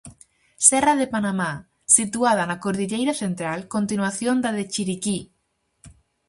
Serra de Panamá, situada na Cordilleira Central, continuación da de Chiriquí.